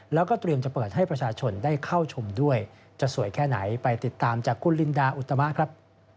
แล้วก็เตรียมจะเปิดให้ประชาชนได้เข้าชมด้วยจะสวยแค่ไหนไปติดตามจากคุณลินดาอุตมะครับ